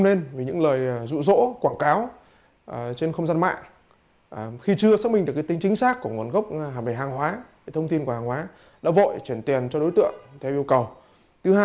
đối tượng khai nhận thông tin của hàng hóa đã vội chuyển tiền cho đối tượng theo yêu cầu